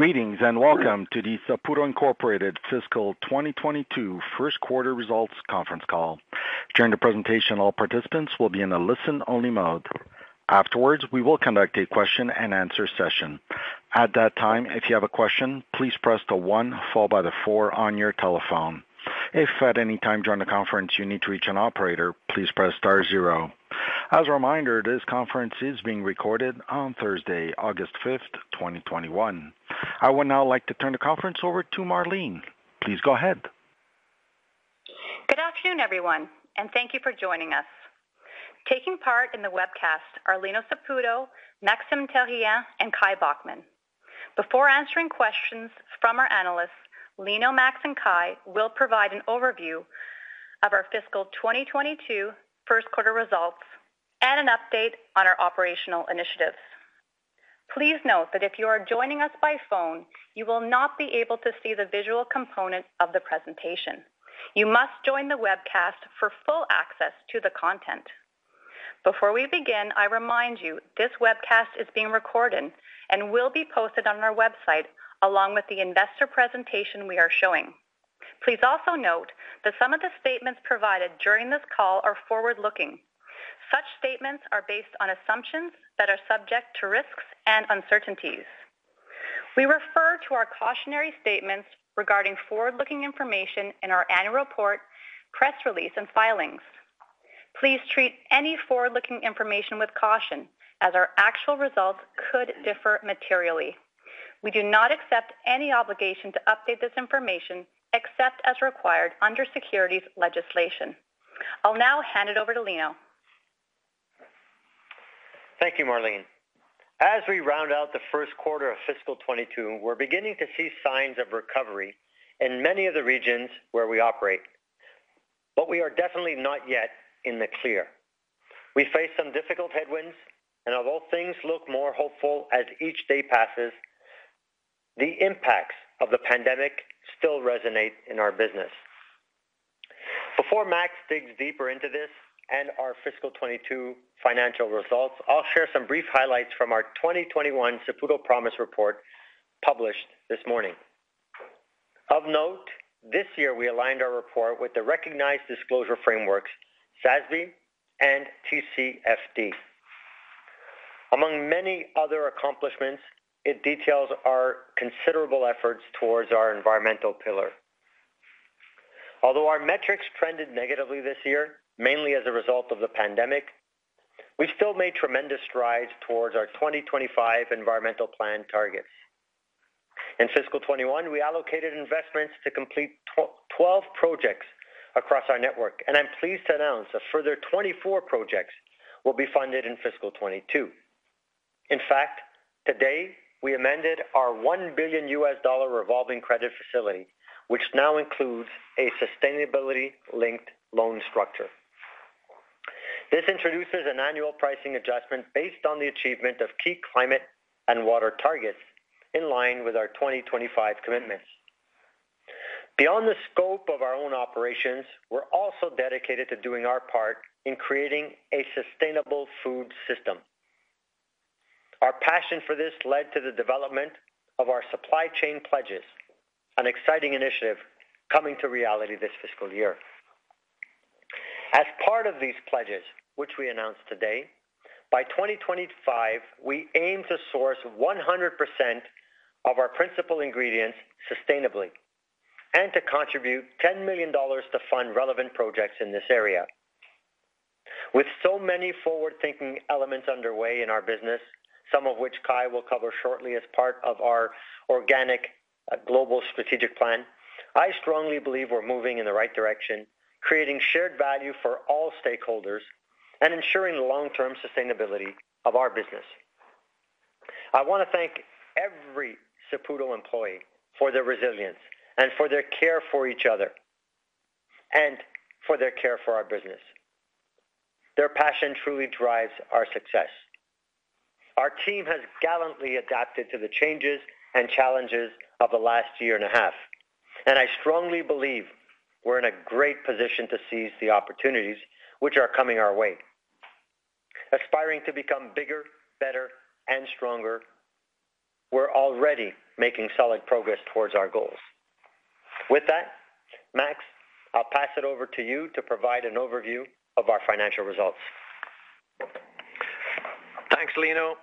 Greetings, and welcome to the Saputo Inc. Fiscal 2022 First Quarter Results Conference Call. During the presentation, all participants will be in a listen-only mode. Afterwards, we will conduct a question and answer session. At that time, if you have a question, please press the one followed by the four on your telephone. If at any time during the conference you need to reach an operator, please press star zero. As a reminder, this conference is being recorded on Thursday, August 5th, 2021. I would now like to turn the conference over to Marlene. Please go ahead. Good afternoon, everyone. Thank you for joining us. Taking part in the webcast are Lino Saputo, Maxime Therrien, and Kai Bockmann. Before answering questions from our analysts, Lino, Max, and Kai will provide an overview of our fiscal 2022 first quarter results and an update on our operational initiatives. Please note that if you are joining us by phone, you will not be able to see the visual component of the presentation. You must join the webcast for full access to the content. Before we begin, I remind you, this webcast is being recorded and will be posted on our website along with the investor presentation we are showing. Please also note that some of the statements provided during this call are forward-looking. Such statements are based on assumptions that are subject to risks and uncertainties. We refer to our cautionary statements regarding forward-looking information in our annual report, press release, and filings. Please treat any forward-looking information with caution as our actual results could differ materially. We do not accept any obligation to update this information, except as required under securities legislation. I'll now hand it over to Lino. Thank you, Marlene. As we round out the first quarter of fiscal 2022, we're beginning to see signs of recovery in many of the regions where we operate. We are definitely not yet in the clear. We face some difficult headwinds, and although things look more hopeful as each day passes, the impacts of the pandemic still resonate in our business. Before Max digs deeper into this and our fiscal 2022 financial results, I'll share some brief highlights from our 2021 Saputo Promise report published this morning. Of note, this year, we aligned our report with the recognized disclosure frameworks SASB and TCFD. Among many other accomplishments, it details our considerable efforts towards our environmental pillar. Although our metrics trended negatively this year, mainly as a result of the pandemic, we still made tremendous strides towards our 2025 environmental plan targets. In fiscal 2021, we allocated investments to complete 12 projects across our network, and I'm pleased to announce a further 24 projects will be funded in fiscal 2022. In fact, today we amended our $1 billion revolving credit facility, which now includes a sustainability-linked loan structure. This introduces an annual pricing adjustment based on the achievement of key climate and water targets in line with our 2025 commitments. Beyond the scope of our own operations, we're also dedicated to doing our part in creating a sustainable food system. Our passion for this led to the development of our supply chain pledges, an exciting initiative coming to reality this fiscal year. As part of these pledges, which we announced today, by 2025, we aim to source 100% of our principal ingredients sustainably and to contribute $10 million to fund relevant projects in this area. With so many forward-thinking elements underway in our business, some of which Kai will cover shortly as part of our organic global strategic plan, I strongly believe we're moving in the right direction, creating shared value for all stakeholders, and ensuring the long-term sustainability of our business. I want to thank every Saputo employee for their resilience and for their care for each other, and for their care for our business. Their passion truly drives our success. Our team has gallantly adapted to the changes and challenges of the last year and a half, and I strongly believe we're in a great position to seize the opportunities which are coming our way. Aspiring to become bigger, better, and stronger, we're already making solid progress towards our goals. With that, Max, I'll pass it over to you to provide an overview of our financial results. Thanks, Lino.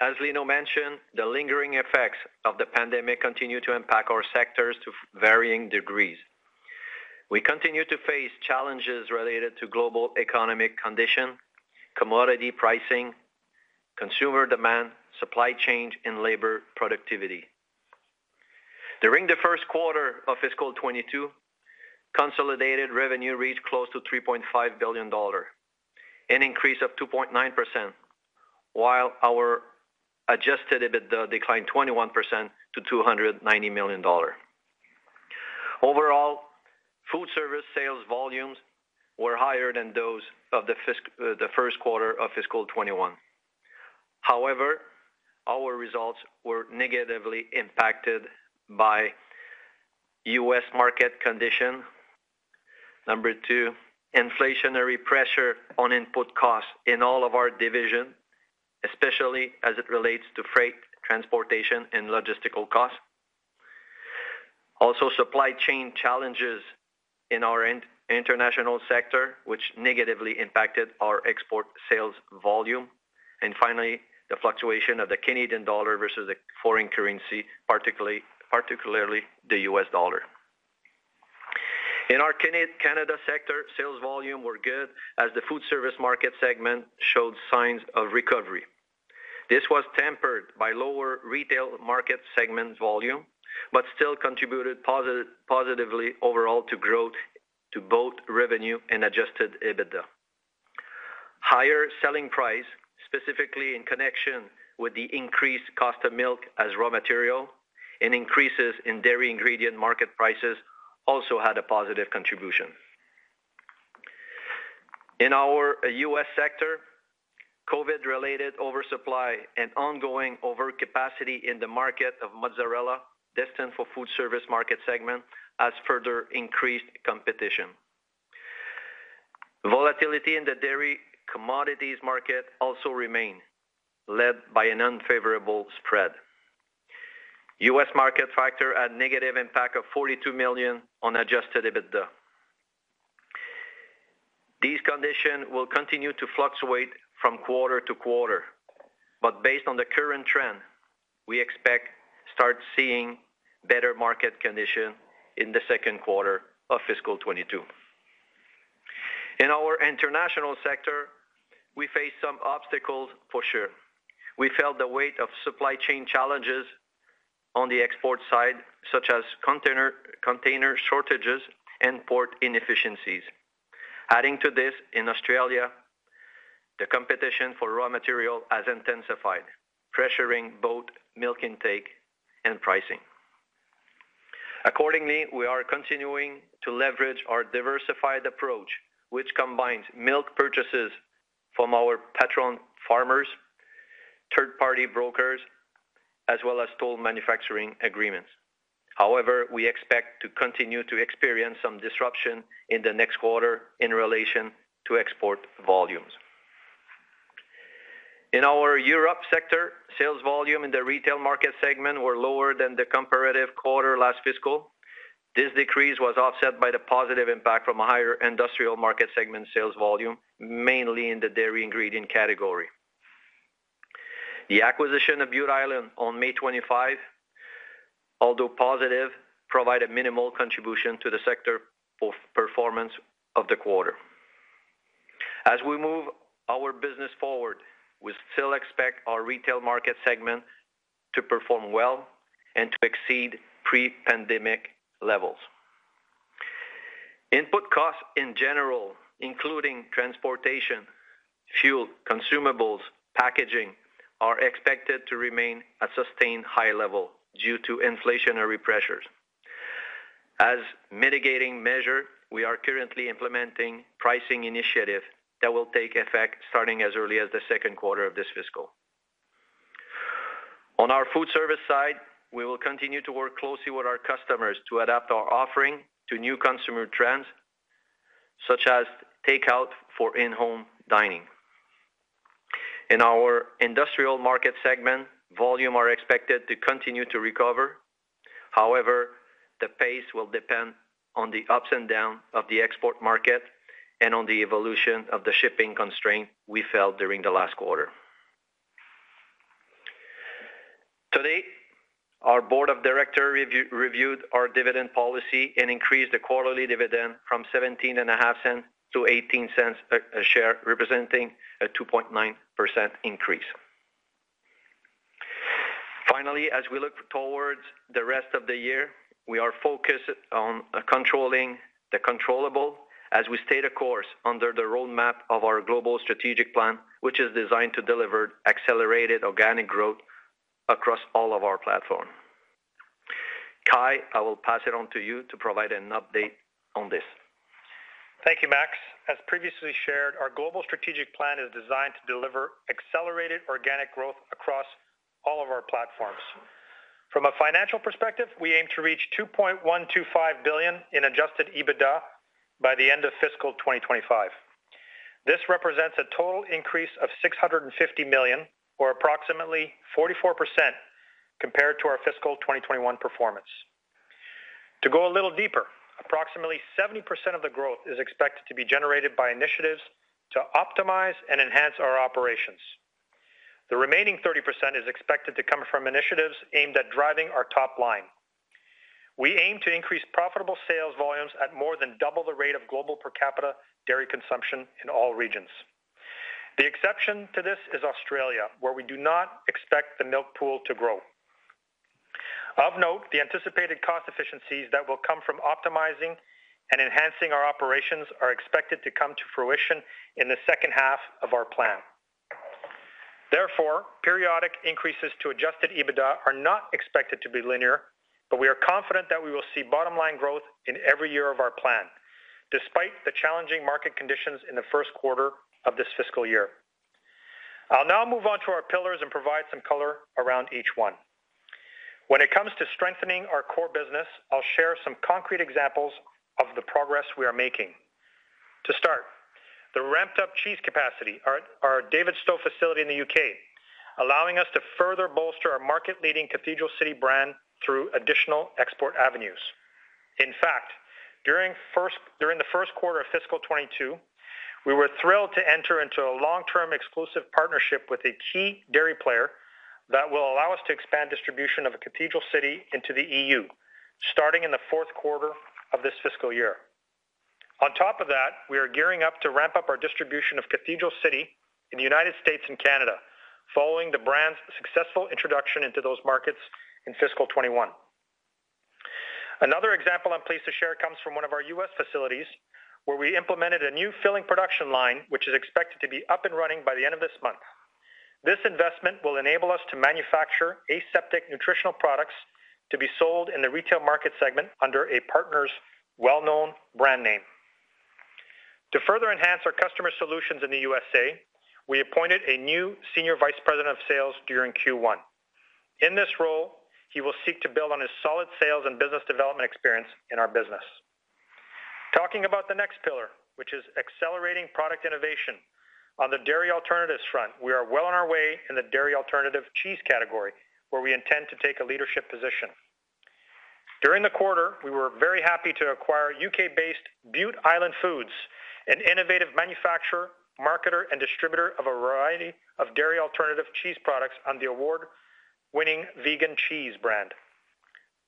As Lino mentioned, the lingering effects of the pandemic continue to impact our sectors to varying degrees. We continue to face challenges related to global economic conditions, commodity pricing, consumer demand, supply chain, and labor productivity. During the first quarter of fiscal 2022, consolidated revenue reached close to 3.5 billion dollar, an increase of 2.9%, while our adjusted EBITDA declined 21% to 290 million dollars. Overall, food service sales volumes were higher than those of the first quarter of fiscal 2021. However, our results were negatively impacted by U.S. market conditions Number two, inflationary pressure on input costs in all of our divisions, especially as it relates to freight, transportation, and logistical costs. Supply chain challenges in our international sector, which negatively impacted our export sales volume. Finally, the fluctuation of the Canadian dollar versus the foreign currency, particularly the U.S. dollar. In our Canada Sector, sales volume were good as the food service market segment showed signs of recovery. This was tempered by lower retail market segment volume, but still contributed positively overall to growth to both revenue and adjusted EBITDA. Higher selling price, specifically in connection with the increased cost of milk as raw material and increases in dairy ingredient market prices, also had a positive contribution. In our U.S. Sector, COVID-related oversupply and ongoing overcapacity in the market of mozzarella destined for food service market segment has further increased competition. Volatility in the dairy commodities market also remain, led by an unfavorable spread. U.S. market factor had negative impact of 42 million on adjusted EBITDA. These conditions will continue to fluctuate from quarter-to-quarter, but based on the current trend, we expect start seeing better market condition in the second quarter of fiscal 2022. In our international sector, we faced some obstacles for sure. We felt the weight of supply chain challenges on the export side, such as container shortages and port inefficiencies. Adding to this, in Australia, the competition for raw material has intensified, pressuring both milk intake and pricing. Accordingly, we are continuing to leverage our diversified approach, which combines milk purchases from our patron farmers, third-party brokers, as well as toll manufacturing agreements. We expect to continue to experience some disruption in the next quarter in relation to export volumes. In our Europe sector, sales volume in the retail market segment were lower than the comparative quarter last fiscal. This decrease was offset by the positive impact from a higher industrial market segment sales volume, mainly in the dairy ingredient category. The acquisition of Bute Island on May 25, although positive, provided minimal contribution to the sector performance of the quarter. As we move our business forward, we still expect our retail market segment to perform well and to exceed pre-pandemic levels. Input costs in general, including transportation, fuel, consumables, packaging, are expected to remain at sustained high level due to inflationary pressures. As mitigating measure, we are currently implementing pricing initiative that will take effect starting as early as the second quarter of this fiscal. On our food service side, we will continue to work closely with our customers to adapt our offering to new consumer trends, such as takeout for in-home dining. In our industrial market segment, volume are expected to continue to recover. However, the pace will depend on the ups and down of the export market and on the evolution of the shipping constraint we felt during the last quarter. Today, our board of director reviewed our dividend policy and increased the quarterly dividend from 0.175 to 0.18 per share, representing a 2.9% increase. Finally, as we look towards the rest of the year, we are focused on controlling the controllable as we stay the course under the roadmap of our global strategic plan, which is designed to deliver accelerated organic growth across all of our platform. Kai, I will pass it on to you to provide an update on this. Thank you, Max. As previously shared, our global strategic plan is designed to deliver accelerated organic growth across all of our platforms. From a financial perspective, we aim to reach 2.125 billion in adjusted EBITDA by the end of fiscal 2025. This represents a total increase of 650 million or approximately 44% compared to our fiscal 2021 performance. To go a little deeper, approximately 70% of the growth is expected to be generated by initiatives to optimize and enhance our operations. The remaining 30% is expected to come from initiatives aimed at driving our top line. We aim to increase profitable sales volumes at more than double the rate of global per capita dairy consumption in all regions. The exception to this is Australia, where we do not expect the milk pool to grow. Of note, the anticipated cost efficiencies that will come from optimizing and enhancing our operations are expected to come to fruition in the second half of our plan. Periodic increases to adjusted EBITDA are not expected to be linear, but we are confident that we will see bottom-line growth in every year of our plan, despite the challenging market conditions in the first quarter of this fiscal year. I'll now move on to our pillars and provide some color around each one. When it comes to strengthening our core business, I'll share some concrete examples of the progress we are making. The ramped-up cheese capacity at our Davidstow facility in the U.K., allowing us to further bolster our market-leading Cathedral City brand through additional export avenues. During the first quarter of fiscal 2022, we were thrilled to enter into a long-term exclusive partnership with a key dairy player that will allow us to expand distribution of Cathedral City into the EU, starting in the fourth quarter of this fiscal year. We are gearing up to ramp up our distribution of Cathedral City in the United States and Canada, following the brand's successful introduction into those markets in fiscal 2021. Another example I'm pleased to share comes from one of our U.S. facilities, where we implemented a new filling production line, which is expected to be up and running by the end of this month. This investment will enable us to manufacture aseptic nutritional products to be sold in the retail market segment under a partner's well-known brand name. To further enhance our customer solutions in the USA, we appointed a new senior vice president of sales during Q1. In this role, he will seek to build on his solid sales and business development experience in our business. Talking about the next pillar, which is accelerating product innovation. On the dairy alternatives front, we are well on our way in the dairy alternative cheese category, where we intend to take a leadership position. During the quarter, we were very happy to acquire U.K.-based Bute Island Foods, an innovative manufacturer, marketer, and distributor of a variety of dairy alternative cheese products on the award-winning vegan cheese brand.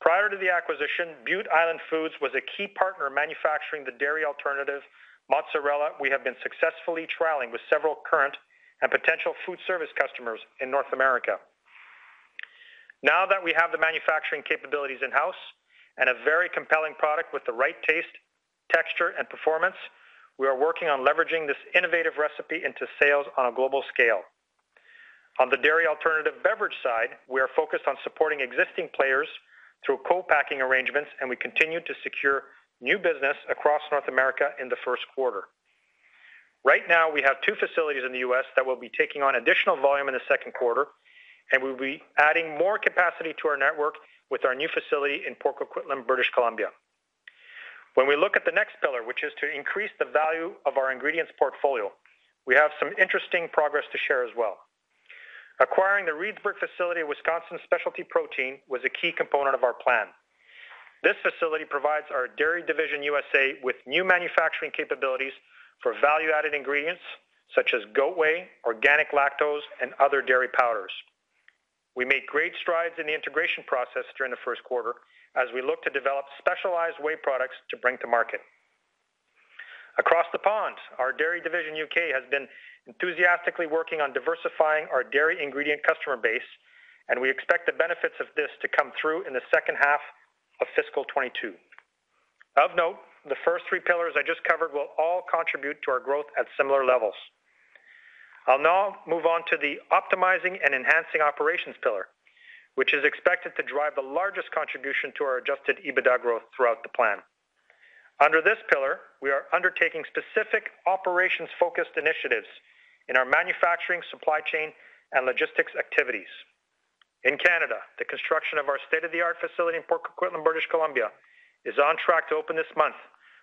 Prior to the acquisition, Bute Island Foods was a key partner in manufacturing the dairy alternative mozzarella we have been successfully trialing with several current and potential food service customers in North America. Now that we have the manufacturing capabilities in-house and a very compelling product with the right taste, texture, and performance, we are working on leveraging this innovative recipe into sales on a global scale. On the dairy alternative beverage side, we are focused on supporting existing players through co-packing arrangements, and we continue to secure new business across North America in the first quarter. Right now, we have two facilities in the U.S. that will be taking on additional volume in the second quarter, and we'll be adding more capacity to our network with our new facility in Port Coquitlam, British Columbia. When we look at the next pillar, which is to increase the value of our ingredients portfolio, we have some interesting progress to share as well. Acquiring the Reedsburg facility of Wisconsin Specialty Protein was a key component of our plan. This facility provides our Dairy Division (USA) with new manufacturing capabilities for value-added ingredients such as goat whey, organic lactose, and other dairy powders. We made great strides in the integration process during the first quarter as we look to develop specialized whey products to bring to market. Across the pond, our Dairy Division (U.K.) has been enthusiastically working on diversifying our dairy ingredient customer base, and we expect the benefits of this to come through in the second half of fiscal 2022. Of note, the first three pillars I just covered will all contribute to our growth at similar levels. I'll now move on to the optimizing and enhancing operations pillar, which is expected to drive the largest contribution to our adjusted EBITDA growth throughout the plan. Under this pillar, we are undertaking specific operations-focused initiatives in our manufacturing, supply chain, and logistics activities. In Canada, the construction of our state-of-the-art facility in Port Coquitlam, British Columbia, is on track to open this month,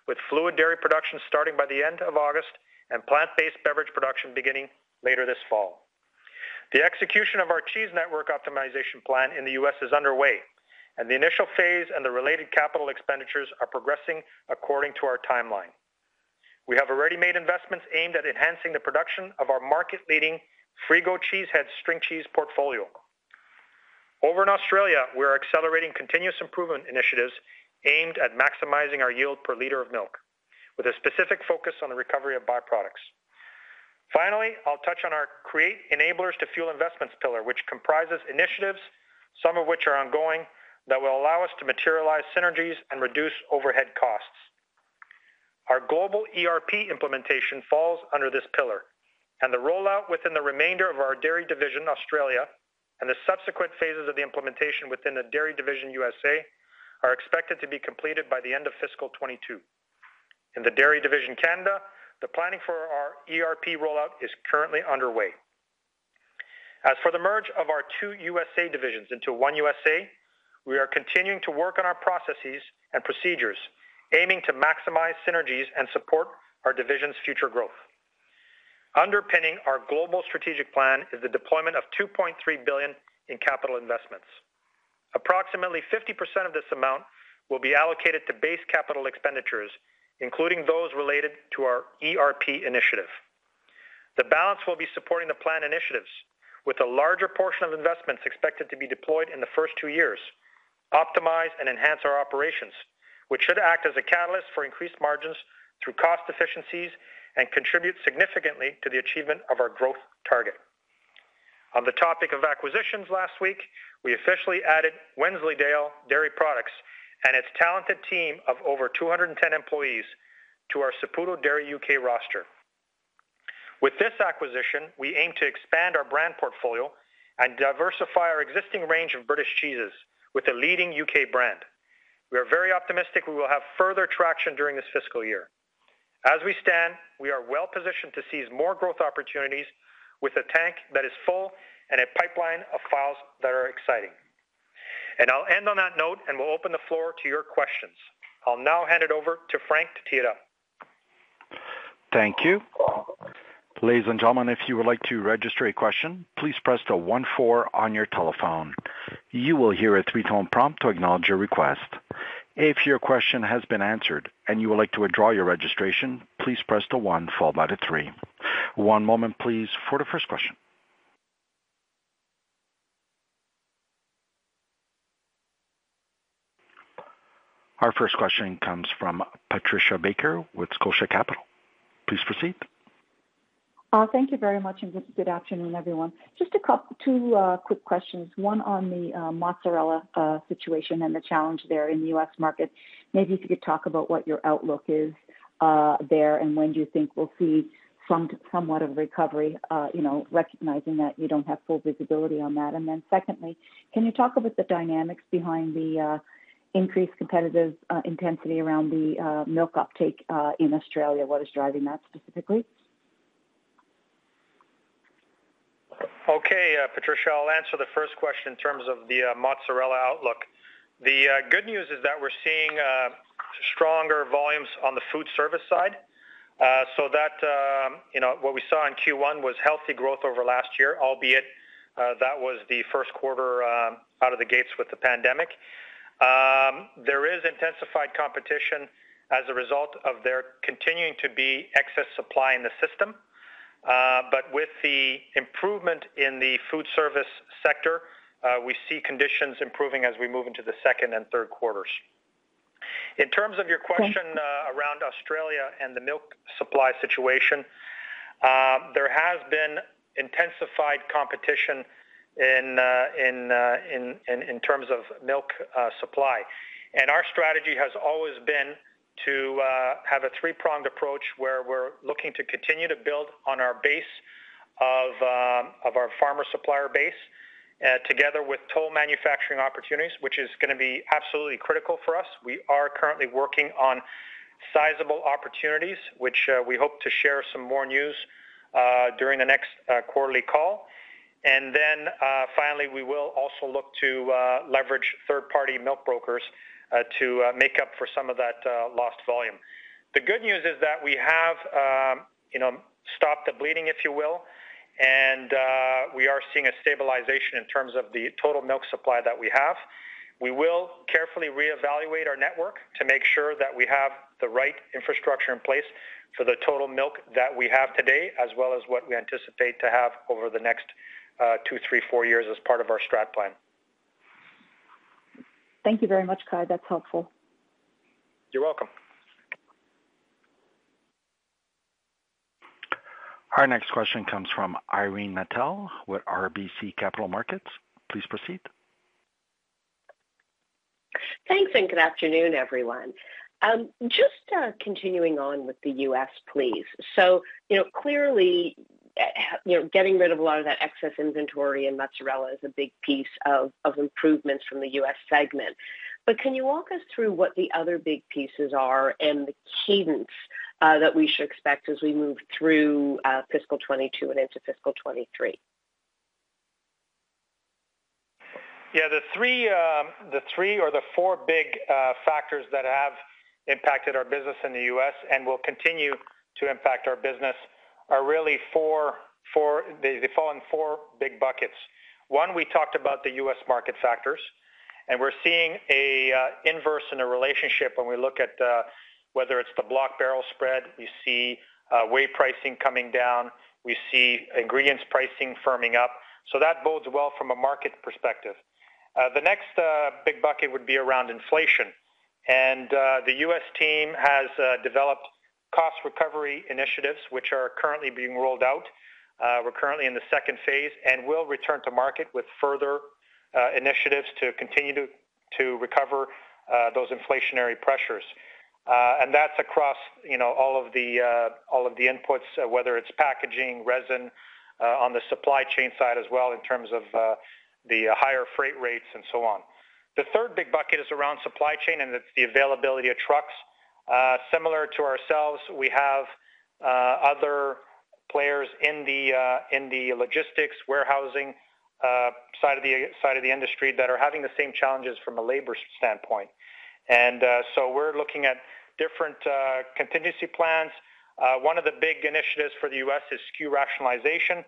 with fluid dairy production starting by the end of August and plant-based beverage production beginning later this fall. The execution of our cheese network optimization plan in the U.S. is underway, and the initial phase and the related capital expenditures are progressing according to our timeline. We have already made investments aimed at enhancing the production of our market-leading Frigo Cheese Heads string cheese portfolio. Over in Australia, we are accelerating continuous improvement initiatives aimed at maximizing our yield per liter of milk, with a specific focus on the recovery of by-products. Finally, I'll touch on our create enablers to fuel investments pillar, which comprises initiatives, some of which are ongoing, that will allow us to materialize synergies and reduce overhead costs. Our global ERP implementation falls under this pillar, and the rollout within the remainder of our Dairy Division (Australia) and the subsequent phases of the implementation within the Dairy Division (USA) are expected to be completed by the end of fiscal 2022. In the Dairy Division (Canada), the planning for our ERP rollout is currently underway. As for the merge of our two USA divisions into one USA, we are continuing to work on our processes and procedures, aiming to maximize synergies and support our divisions' future growth. Underpinning our global Strategic Plan is the deployment of 2.3 billion in capital investments. Approximately 50% of this amount will be allocated to base capital expenditures, including those related to our ERP Initiative. The balance will be supporting the plan initiatives, with a larger portion of investments expected to be deployed in the first two years, optimize and enhance our operations, which should act as a catalyst for increased margins through cost efficiencies and contribute significantly to the achievement of our growth target. On the topic of acquisitions last week, we officially added Wensleydale Dairy Products and its talented team of over 210 employees to our Saputo Dairy U.K. roster. With this acquisition, we aim to expand our brand portfolio and diversify our existing range of British cheeses with a leading U.K. brand. We are very optimistic we will have further traction during this fiscal year. As we stand, we are well-positioned to seize more growth opportunities with a tank that is full and a pipeline of files that are exciting. I'll end on that note, and we'll open the floor to your questions. I'll now hand it over to Frank to tee it up. Thank you. Ladies and gentlemen, if you would like to register a question, please press the one four on your telephone. You will hear a three-tone prompt to acknowledge your request. If your question has been answered and you would like to withdraw your registration, please press the one followed by the three. One moment, please, for the first question. Our first question comes from Patricia Baker with Scotia Capital. Please proceed. Thank you very much, and good afternoon, everyone. Just two quick questions, one on the mozzarella situation and the challenge there in the U.S. market. Maybe if you could talk about what your outlook is there, and when do you think we'll see somewhat of a recovery, recognizing that you don't have full visibility on that. Secondly, can you talk about the dynamics behind the increased competitive intensity around the milk uptake in Australia? What is driving that specifically? Okay, Patricia, I'll answer the first question in terms of the mozzarella outlook. They good news is that where seeing stronger volumes on food service side. What we saw in Q1 was healthy growth over last year, albeit that was the first quarter out of the gates with the pandemic. There is intensified competition as a result of there continuing to be excess supply in the system. With the improvement in the food service sector, we see conditions improving as we move into the second and third quarters. In terms of your question around Australia and the milk supply situation, there has been intensified competition in terms of milk supply. Our strategy has always been to have a three-pronged approach where we are looking to continue to build on our base of our farmer supplier base, together with toll manufacturing opportunities, which is gonna be absolutely critical for us. We are currently working on sizable opportunities, which we hope to share some more news during the next quarterly call. Finally, we will also look to leverage third-party milk brokers to make up for some of that lost volume. The good news is that we have stopped the bleeding, if you will, and we are seeing a stabilization in terms of the total milk supply that we have. We will carefully reevaluate our network to make sure that we have the right infrastructure in place for the total milk that we have today, as well as what we anticipate to have over the next two, three, four years as part of our strat plan. Thank you very much, Kai. That's helpful. You're welcome. Our next question comes from Irene Nattel with RBC Capital Markets. Please proceed. Thanks, and good afternoon, everyone. Just continuing on with the U.S., please. Clearly, getting rid of a lot of that excess inventory in mozzarella is a big piece of improvements from the U.S. segment. Can you walk us through what the other big pieces are and the cadence that we should expect as we move through fiscal 2022 and into fiscal 2023? Yeah, the three or the four big factors that have impacted our business in the U.S. and will continue to impact our business, they fall in four big buckets. One, we talked about the U.S. market factors. We're seeing an inverse in a relationship when we look at whether it's the block-barrel spread. We see whey pricing coming down. We see ingredients pricing firming up. That bodes well from a market perspective. The next big bucket would be around inflation. The U.S. team has developed cost recovery initiatives, which are currently being rolled out. We're currently in the second phase and will return to market with further initiatives to continue to recover those inflationary pressures. That's across all of the inputs, whether it's packaging, resin, on the supply chain side as well in terms of the higher freight rates and so on. The third big bucket is around supply chain, and it's the availability of trucks. Similar to ourselves, we have other players in the logistics warehousing side of the industry that are having the same challenges from a labor standpoint. We're looking at different contingency plans. One of the big initiatives for the U.S. is SKU rationalization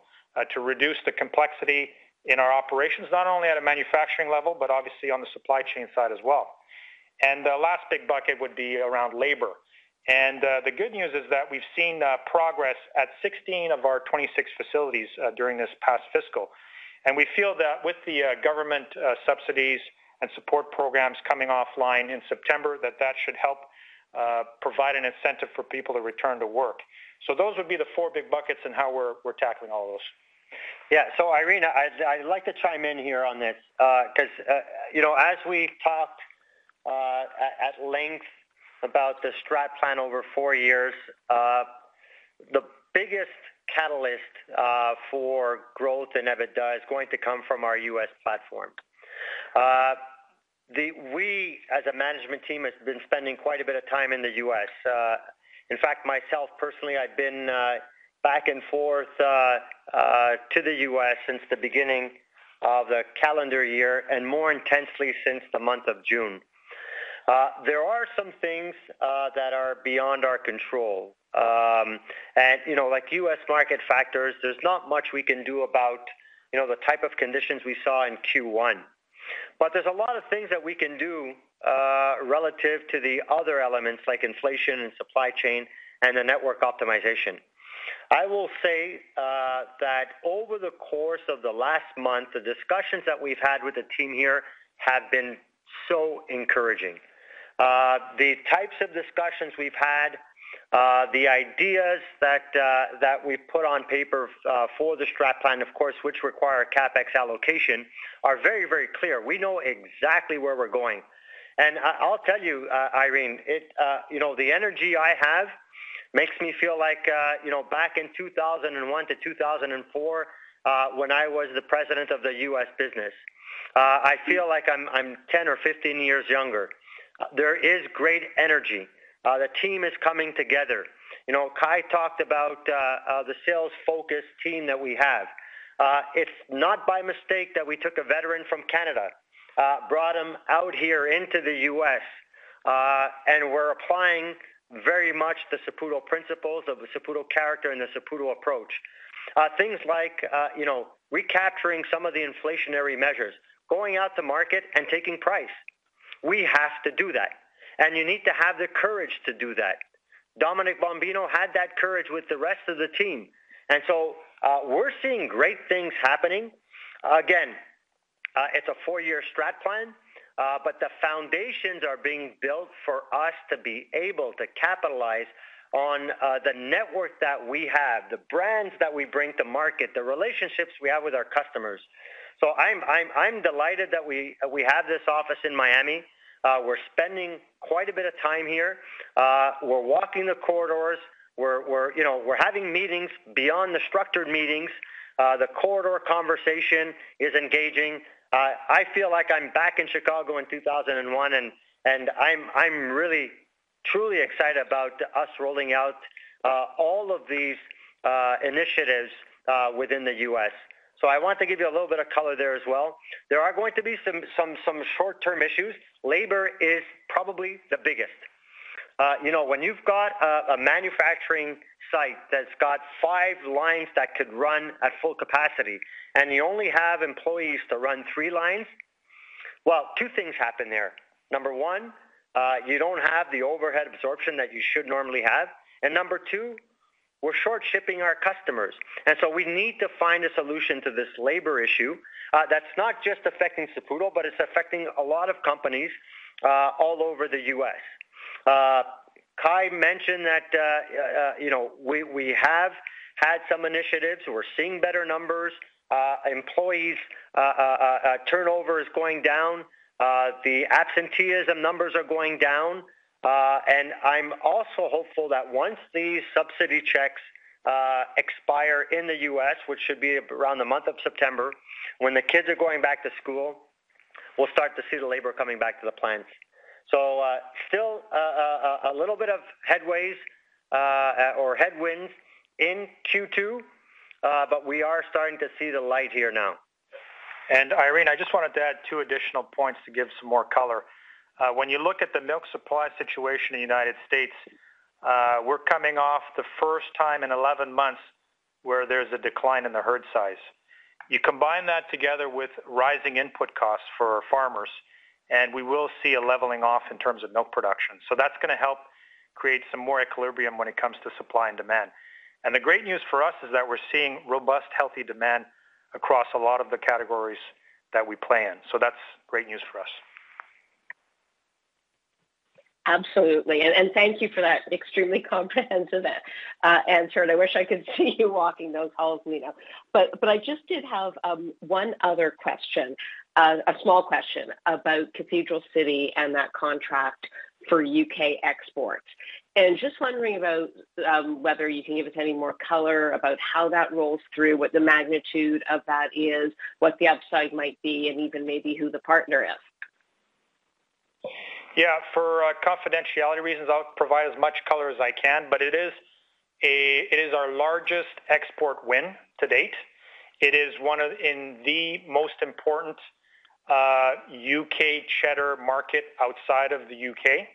to reduce the complexity in our operations, not only at a manufacturing level, but obviously on the supply chain side as well. The last big bucket would be around labor. The good news is that we've seen progress at 16 of our 26 facilities during this past fiscal. We feel that with the government subsidies and support programs coming offline in September, that that should help provide an incentive for people to return to work. Those would be the four big buckets and how we're tackling all those. Yeah. Irene, I'd like to chime in here on this because as we talked at length about the strat plan over four years catalyst for growth and EBITDA is going to come from our U.S. platform. We, as a management team, have been spending quite a bit of time in the U.S. In fact, myself, personally, I've been back and forth to the U.S. since the beginning of the calendar year, and more intensely since the month of June. There are some things that are beyond our control. Like U.S. market factors, there's not much we can do about the type of conditions we saw in Q1. There's a lot of things that we can do relative to the other elements, like inflation and supply chain, and the network optimization. I will say that over the course of the last month, the discussions that we've had with the team here have been so encouraging. The types of discussions we've had, the ideas that we've put on paper for the strat plan, of course, which require CapEx allocation, are very, very clear. We know exactly where we're going. I'll tell you, Irene, the energy I have makes me feel like back in 2001 to 2004, when I was the president of the U.S. business. I feel like I'm 10 or 15 years younger. There is great energy. The team is coming together. Kai talked about the sales-focused team that we have. It's not by mistake that we took a veteran from Canada, brought him out here into the U.S., and we're applying very much the Saputo principles of the Saputo character and the Saputo approach. Things like recapturing some of the inflationary measures, going out to market and taking price. We have to do that, and you need to have the courage to do that. Dominic Bombino had that courage with the rest of the team. We're seeing great things happening. Again, it's a four-year strat plan, but the foundations are being built for us to be able to capitalize on the network that we have, the brands that we bring to market, the relationships we have with our customers. I'm delighted that we have this office in Miami. We're spending quite a bit of time here. We're walking the corridors. We're having meetings beyond the structured meetings. The corridor conversation is engaging. I feel like I'm back in Chicago in 2001, and I'm really, truly excited about us rolling out all of these initiatives within the U.S. I want to give you a little bit of color there as well. There are going to be some short-term issues. Labor is probably the biggest. When you've got a manufacturing site that's got five lines that could run at full capacity, you only have employees to run three lines, well, two things happen there. Number one, you don't have the overhead absorption that you should normally have. Number two, we're short-shipping our customers. We need to find a solution to this labor issue that's not just affecting Saputo, but it's affecting a lot of companies all over the U.S. Kai mentioned that we have had some initiatives. We're seeing better numbers. Employee turnover is going down. The absenteeism numbers are going down. I'm also hopeful that once these subsidy checks expire in the U.S., which should be around the month of September, when the kids are going back to school, we'll start to see the labor coming back to the plants. Still a little bit of headways or headwinds in Q2, but we are starting to see the light here now. Irene, I just wanted to add two additional points to give some more color. When you look at the milk supply situation in the U.S., we're coming off the first time in 11 months where there's a decline in the herd size. You combine that together with rising input costs for our farmers, and we will see a leveling off in terms of milk production. That's going to help create some more equilibrium when it comes to supply and demand. The great news for us is that we're seeing robust, healthy demand across a lot of the categories that we play in. That's great news for us. Absolutely. Thank you for that extremely comprehensive answer, I wish I could see you walking those halls, Lino. I just did have one other question, a small question about Cathedral City and that contract for U.K. export. Just wondering about whether you can give us any more color about how that rolls through, what the magnitude of that is, what the upside might be, and even maybe who the partner is. Yeah. For confidentiality reasons, I'll provide as much color as I can, it is our largest export win to date. It is in the most important U.K. Cheddar market outside of the U.K.,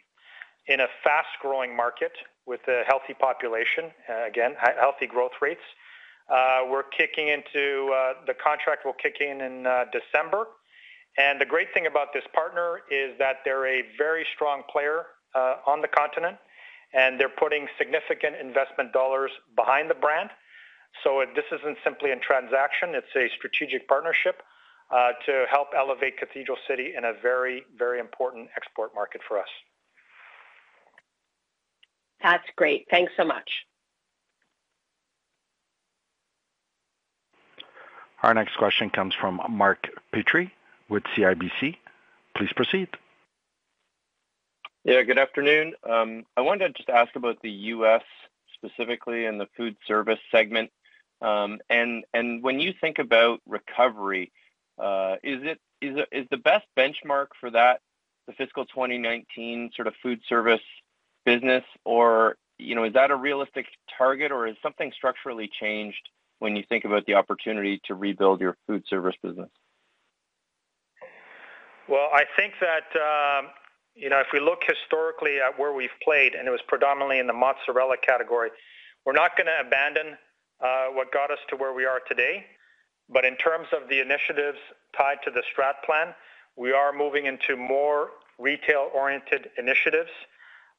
in a fast-growing market with a healthy population, again, healthy growth rates. The contract will kick in in December. The great thing about this partner is that they're a very strong player on the continent, and they're putting significant investment dollars behind the brand. This isn't simply a transaction, it's a strategic partnership to help elevate Cathedral City in a very, very important export market for us. That's great. Thanks so much. Our next question comes from Mark Petrie with CIBC. Please proceed. Yeah, good afternoon. I wanted to just ask about the U.S. specifically and the food service segment. When you think about recovery, is the best benchmark for that the fiscal 2019 sort of food service business? Is that a realistic target, or has something structurally changed when you think about the opportunity to rebuild your food service business? I think that if we look historically at where we've played, and it was predominantly in the mozzarella category, we're not going to abandon what got us to where we are today. In terms of the initiatives tied to the strat plan, we are moving into more retail-oriented initiatives.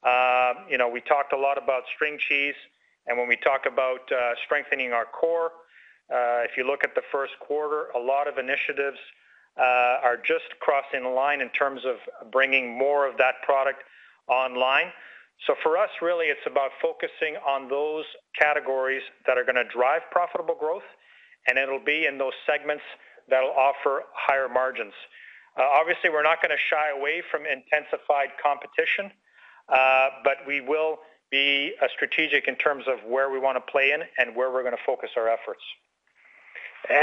We talked a lot about string cheese, and when we talk about strengthening our core, if you look at the first quarter, a lot of initiatives are just crossing the line in terms of bringing more of that product online. For us, really, it's about focusing on those categories that are going to drive profitable growth, and it'll be in those segments that'll offer higher margins. Obviously, we're not going to shy away from intensified competition, but we will be strategic in terms of where we want to play in and where we're going to focus our efforts.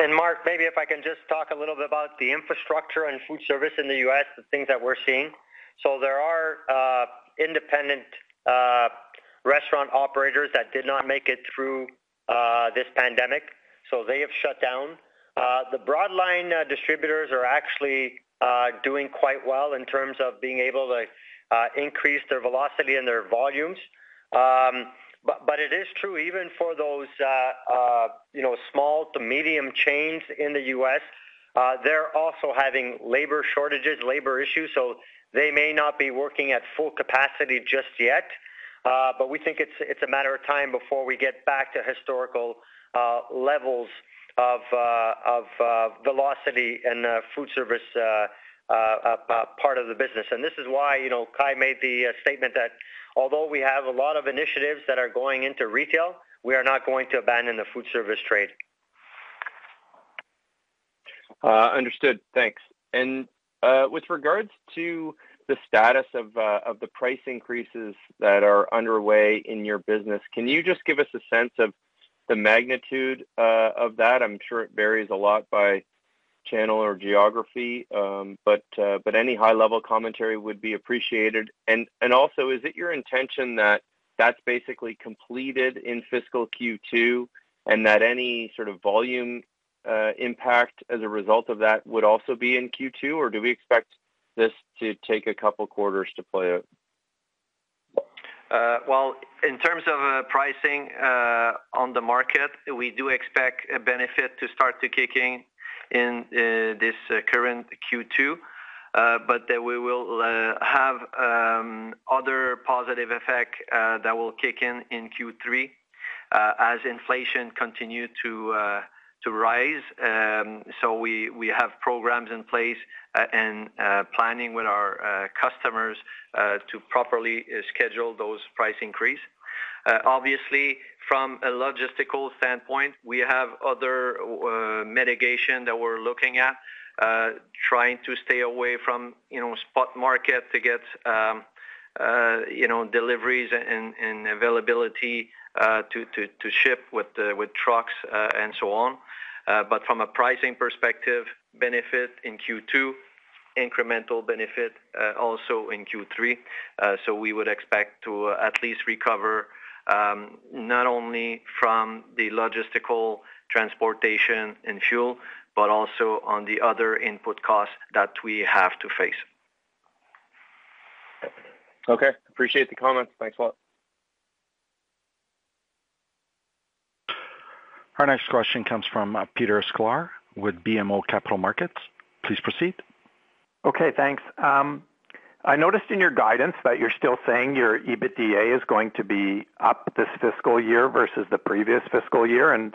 Mark, maybe if I can just talk a little bit about the infrastructure and food service in the U.S., the things that we're seeing. There are independent restaurant operators that did not make it through this pandemic, so they have shut down. The broad line distributors are actually doing quite well in terms of being able to increase their velocity and their volumes. It is true even for those small to medium chains in the U.S., they're also having labor shortages, labor issues, so they may not be working at full capacity just yet. We think it's a matter of time before we get back to historical levels of velocity in the food service part of the business. This is why Kai made the statement that although we have a lot of initiatives that are going into retail, we are not going to abandon the food service trade. Understood. Thanks. With regards to the status of the price increases that are underway in your business, can you just give us a sense of the magnitude of that? I'm sure it varies a lot by channel or geography, but any high-level commentary would be appreciated. Also, is it your intention that that's basically completed in fiscal Q2, and that any sort of volume impact as a result of that would also be in Q2, or do we expect this to take a couple of quarters to play out? In terms of pricing on the market, we do expect a benefit to start to kick in in this current Q2. That we will have other positive effect that will kick in in Q3 as inflation continue to rise. We have programs in place and planning with our customers to properly schedule those price increase. Obviously, from a logistical standpoint, we have other mitigation that we're looking at, trying to stay away from spot market to get deliveries and availability to ship with trucks and so on. From a pricing perspective, benefit in Q2, incremental benefit also in Q3. We would expect to at least recover not only from the logistical transportation and fuel, but also on the other input costs that we have to face. Okay. Appreciate the comments. Thanks a lot. Our next question comes from Peter Sklar with BMO Capital Markets. Please proceed. Okay, thanks. I noticed in your guidance that you're still saying your EBITDA is going to be up this fiscal year versus the previous fiscal year. When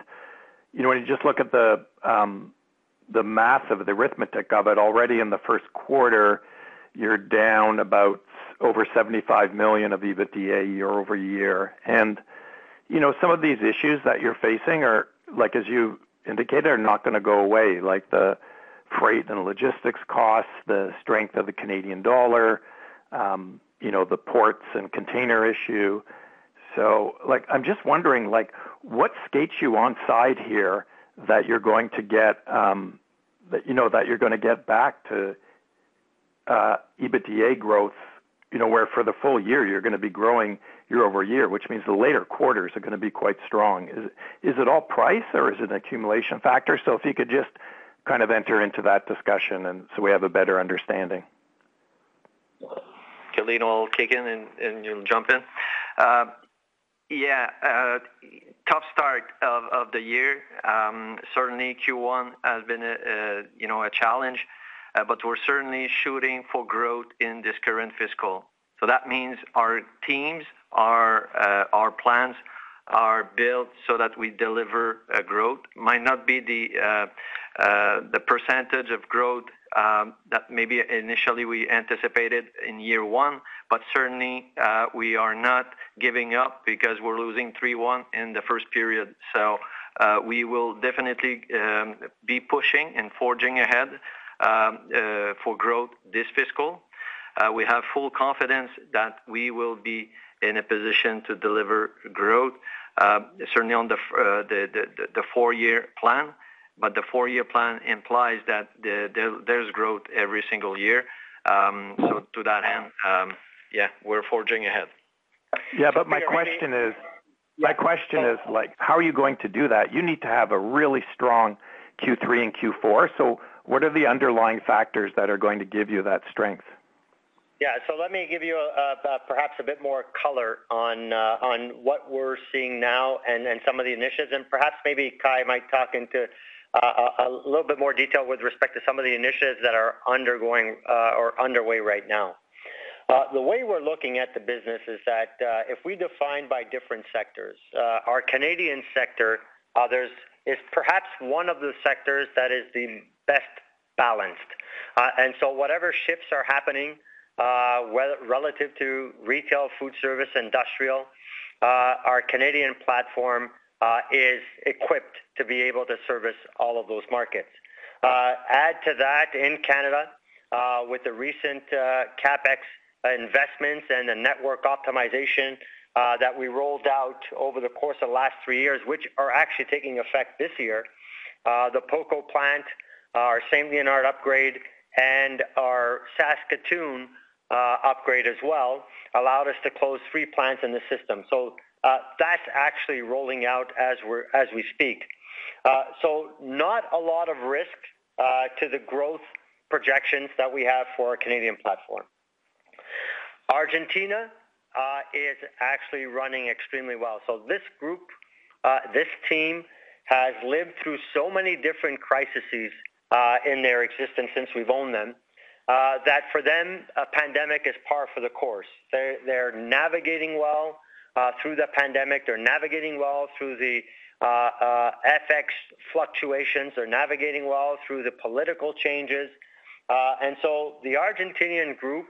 you just look at the math of it, the arithmetic of it, already in the first quarter, you're down about over 75 million of EBITDA year-over-year. Some of these issues that you're facing are, as you indicated, are not going to go away, like the freight and logistics costs, the strength of the Canadian dollar, the ports and container issue. I'm just wondering, what skates you onside here that you're going to get back to EBITDA growth, where for the full year, you're going to be growing year-over-year, which means the later quarters are going to be quite strong. Is it all price or is it an accumulation factor? If you could just kind of enter into that discussion and so we have a better understanding. Kai will kick in, and you'll jump in. Tough start of the year. Certainly Q1 has been a challenge, but we're certainly shooting for growth in this current fiscal. That means our teams, our plans are built so that we deliver growth. Might not be the percentage of growth that maybe initially we anticipated in year one, but certainly we are not giving up because we're losing three-one in the first period. We will definitely be pushing and forging ahead for growth this fiscal. We have full confidence that we will be in a position to deliver growth, certainly on the four-year plan, but the four-year plan implies that there's growth every single year. To that end, we're forging ahead. Yeah, my question is how are you going to do that? You need to have a really strong Q3 and Q4. What are the underlying factors that are going to give you that strength? Let me give you perhaps a bit more color on what we're seeing now and some of the initiatives, and perhaps maybe Kai might talk into a little bit more detail with respect to some of the initiatives that are undergoing or underway right now. The way we're looking at the business is that if we define by different sectors, our Canadian sector is perhaps one of the sectors that is the best balanced. Whatever shifts are happening, relative to retail, food service, industrial, our Canadian platform is equipped to be able to service all of those markets. Add to that in Canada, with the recent CapEx investments and the network optimization that we rolled out over the course of the last three years, which are actually taking effect this year. The PoCo plant, our Saint-Léonard upgrade, and our Saskatoon upgrade as well, allowed us to close three plants in the system. That's actually rolling out as we speak. Not a lot of risk to the growth projections that we have for our Canadian platform. Argentina is actually running extremely well. This group, this team, has lived through so many different crises in their existence since we've owned them, that for them, a pandemic is par for the course. They're navigating well through the pandemic, they're navigating well through the FX fluctuations, they're navigating well through the political changes. The Argentinian group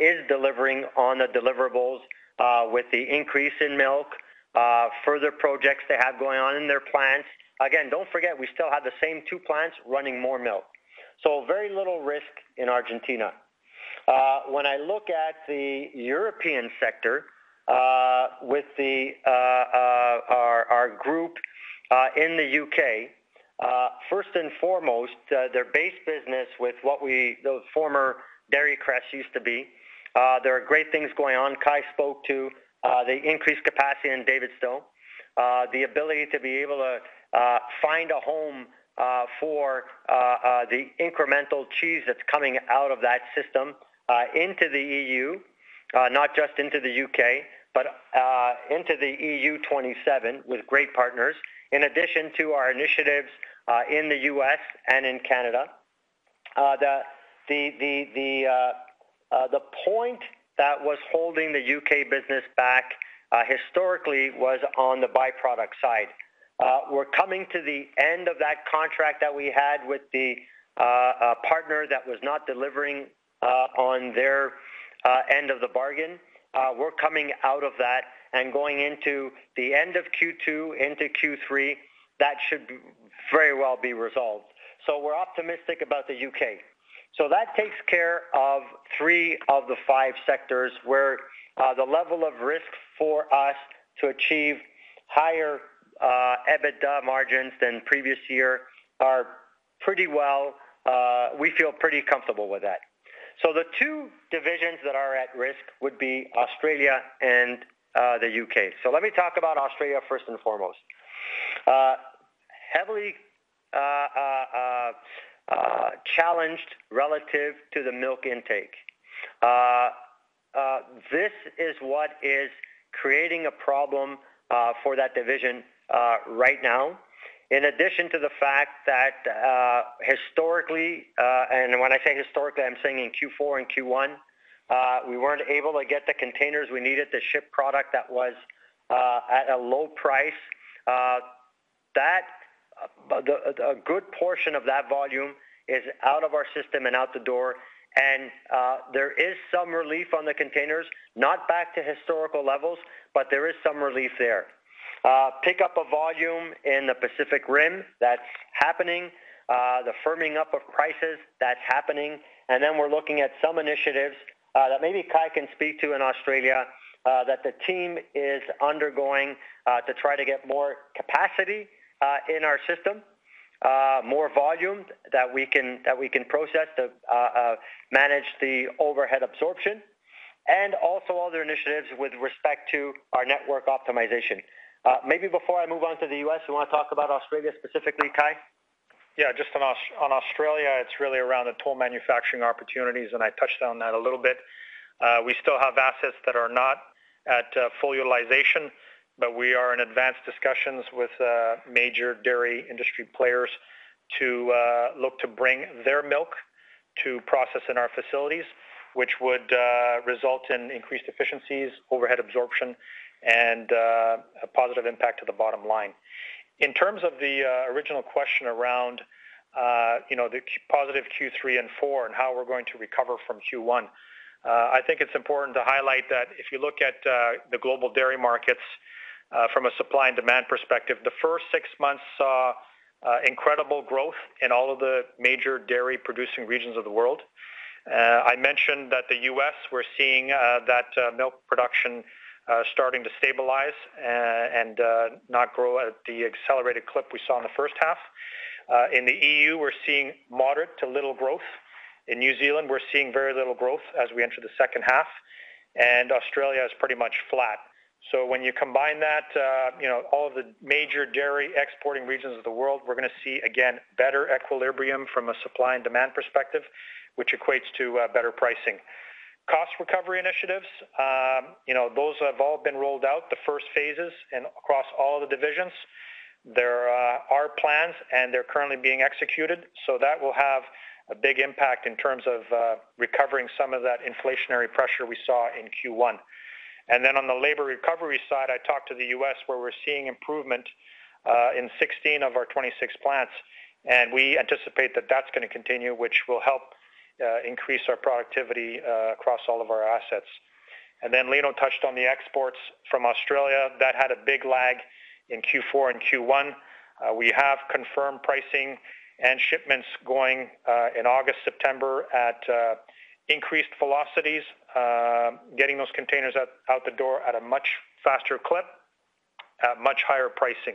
is delivering on the deliverables with the increase in milk, further projects they have going on in their plants. Again, don't forget, we still have the same two plants running more milk. Very little risk in Argentina. When I look at the European sector, with our group in the U.K., first and foremost, their base business with what those former Dairy Crest used to be there are great things going on. Kai spoke to the increased capacity in Davidstow. The ability to be able to find a home for the incremental cheese that's coming out of that system into the EU, not just into the U.K., but into the EU 27 with great partners, in addition to our initiatives in the U.S. and in Canada. The point that was holding the U.K. business back historically was on the by-product side. We're coming to the end of that contract that we had with the partner that was not delivering on their end of the bargain. We're coming out of that and going into the end of Q2 into Q3, that should very well be resolved. We're optimistic about the U.K. That takes care of three of the five sectors where the level of risk for us to achieve higher EBITDA margins than previous year are pretty well. We feel pretty comfortable with that. The two divisions that are at risk would be Australia and the U.K. Let me talk about Australia first and foremost. Heavily challenged relative to the milk intake. This is what is creating a problem for that division right now. In addition to the fact that historically, and when I say historically, I'm saying in Q4 and Q1, we weren't able to get the containers we needed to ship product that was at a low price. A good portion of that volume is out of our system and out the door, and there is some relief on the containers, not back to historical levels, but there is some relief there. Pick up of volume in the Pacific Rim, that's happening. The firming up of prices, that's happening. Then we're looking at some initiatives that maybe Kai can speak to in Australia, that the team is undergoing to try to get more capacity in our system, more volume that we can process to manage the overhead absorption, also other initiatives with respect to our network optimization. Maybe before I move on to the U.S., you want to talk about Australia specifically, Kai? Yeah, just on Australia, it is really around the toll manufacturing opportunities, and I touched on that a little bit. We still have assets that are not at full utilization. We are in advanced discussions with major dairy industry players to look to bring their milk to process in our facilities, which would result in increased efficiencies, overhead absorption, and a positive impact to the bottom line. In terms of the original question around the positive Q3 and Q4 and how we are going to recover from Q1. I think it is important to highlight that if you look at the global dairy markets from a supply and demand perspective, the first six months saw incredible growth in all of the major dairy-producing regions of the world. I mentioned that the U.S., we are seeing that milk production starting to stabilize and not grow at the accelerated clip we saw in the first half. In the EU, we're seeing moderate to little growth. In New Zealand, we're seeing very little growth as we enter the second half. Australia is pretty much flat. When you combine that, all of the major dairy exporting regions of the world, we're going to see, again, better equilibrium from a supply and demand perspective, which equates to better pricing. Cost recovery initiatives, those have all been rolled out, the first phases. Across all the divisions, there are plans. They're currently being executed. That will have a big impact in terms of recovering some of that inflationary pressure we saw in Q1. On the labor recovery side, I talked to the U.S., where we're seeing improvement in 16 of our 26 plants. We anticipate that that's going to continue, which will help increase our productivity across all of our assets. Then Lino touched on the exports from Australia that had a big lag in Q4 and Q1. We have confirmed pricing and shipments going in August, September at increased velocities, getting those containers out the door at a much faster clip at much higher pricing.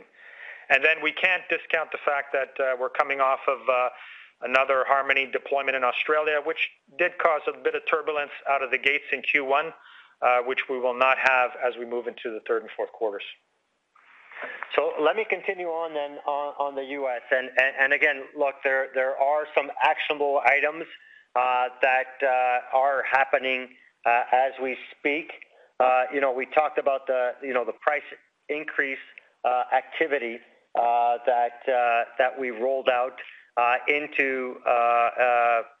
Then we can't discount the fact that we're coming off of another Harmoni deployment in Australia, which did cause a bit of turbulence out of the gates in Q1, which we will not have as we move into the third and fourth quarters. Let me continue on then on the U.S. Again, look, there are some actionable items that are happening as we speak. We talked about the price increase activity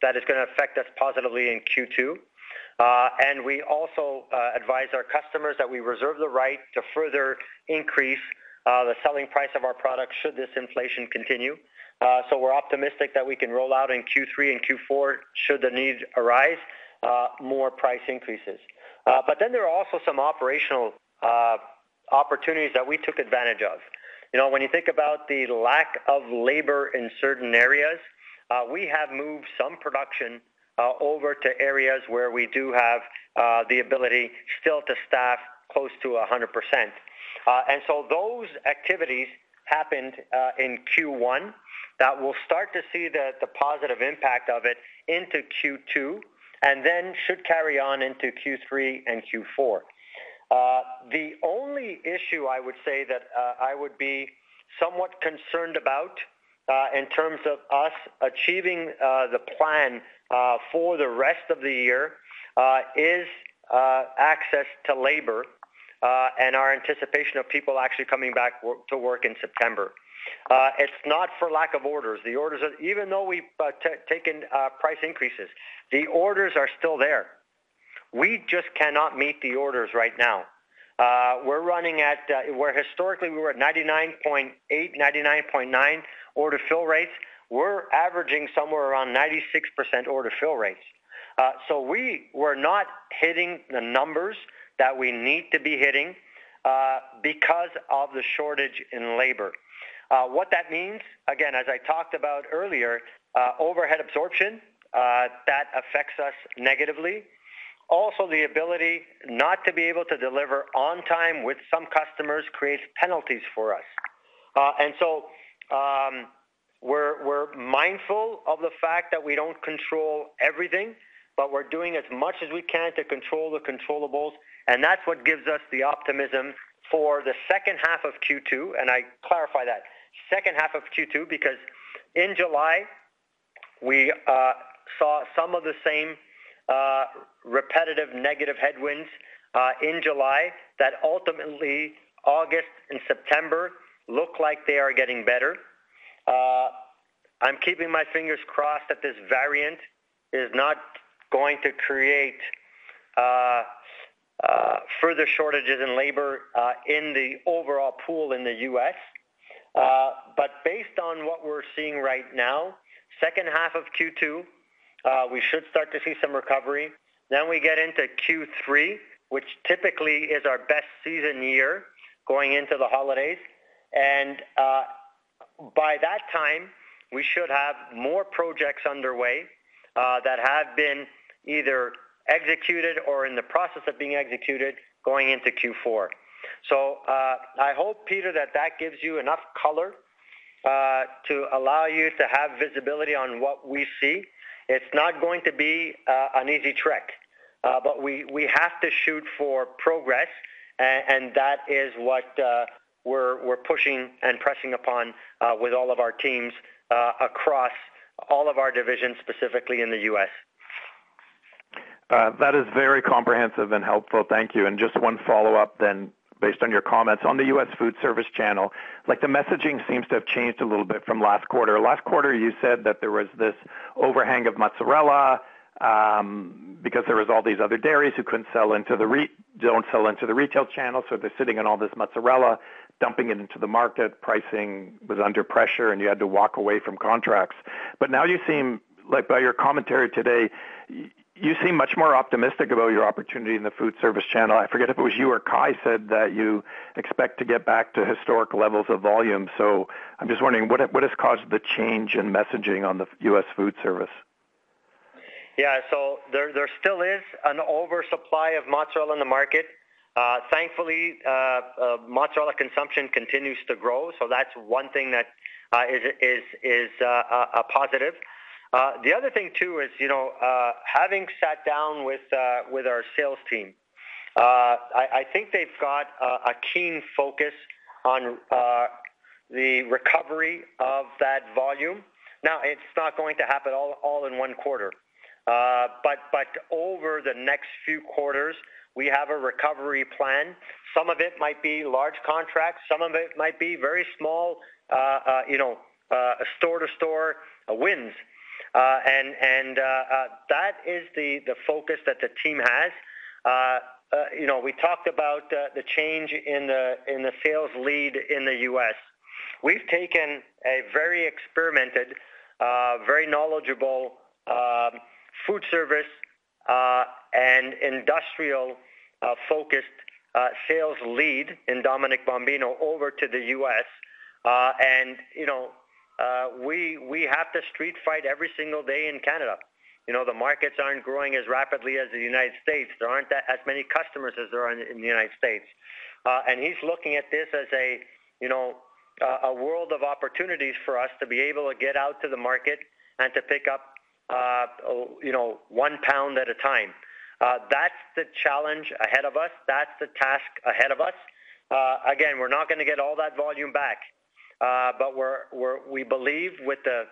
that is going to affect us positively in Q2. We also advise our customers that we reserve the right to further increase the selling price of our product should this inflation continue. We're optimistic that we can roll out in Q3 and Q4 should the need arise, more price increases. There are also some operational opportunities that we took advantage of. When you think about the lack of labor in certain areas, we have moved some production over to areas where we do have the ability still to staff close to 100%. Those activities happened in Q1 that we'll start to see the positive impact of it into Q2, and then should carry on into Q3 and Q4. The only issue I would say that I would be somewhat concerned about in terms of us achieving the plan for the rest of the year is access to labor and our anticipation of people actually coming back to work in September. It's not for lack of orders. Even though we've taken price increases, the orders are still there. We just cannot meet the orders right now. Where historically we were at 99.8%, 99.9% order fill rates, we're averaging somewhere around 96% order fill rates. We were not hitting the numbers that we need to be hitting because of the shortage in labor. What that means, again, as I talked about earlier, overhead absorption, that affects us negatively. The ability not to be able to deliver on time with some customers creates penalties for us. We're mindful of the fact that we don't control everything, but we're doing as much as we can to control the controllables, and that's what gives us the optimism for the second half of Q2. I clarify that, second half of Q2, because in July, we saw some of the same repetitive negative headwinds in July that ultimately August and September look like they are getting better. I'm keeping my fingers crossed that this variant is not going to create further shortages in labor in the overall pool in the U.S. Based on what we're seeing right now, second half of Q2, we should start to see some recovery. We get into Q3, which typically is our best season year going into the holidays. By that time, we should have more projects underway that have been either executed or in the process of being executed going into Q4. I hope, Peter, that gives you enough color to allow you to have visibility on what we see. It's not going to be an easy trek, but we have to shoot for progress, and that is what we're pushing and pressing upon with all of our teams across all of our divisions, specifically in the U.S. That is very comprehensive and helpful. Thank you. Just one follow-up then based on your comments on the U.S. food service channel, the messaging seems to have changed a little bit from last quarter. Last quarter, you said that there was this overhang of mozzarella, because there was all these other dairies who don't sell into the retail channel, so they're sitting on all this mozzarella, dumping it into the market, pricing was under pressure, and you had to walk away from contracts. Now by your commentary today, you seem much more optimistic about your opportunity in the food service channel. I forget if it was you or Kai said that you expect to get back to historic levels of volume. I'm just wondering, what has caused the change in messaging on the U.S. food service? There still is an oversupply of mozzarella in the market. Thankfully, mozzarella consumption continues to grow, so that's one thing that is a positive. The other thing, too, is having sat down with our sales team, I think they've got a keen focus on the recovery of that volume. It's not going to happen all in one quarter. Over the next few quarters, we have a recovery plan. Some of it might be large contracts, some of it might be very small store-to-store wins. That is the focus that the team has. We talked about the change in the sales lead in the U.S. We've taken a very experimented, very knowledgeable food service, and industrial-focused sales lead in Dominic Bombino over to the U.S. We have to street fight every single day in Canada. The markets aren't growing as rapidly as the United States. There aren't as many customers as there are in the United States. He's looking at this as a world of opportunities for us to be able to get out to the market and to pick up one pound at a time. That's the challenge ahead of us. That's the task ahead of us. Again, we're not going to get all that volume back. We believe with the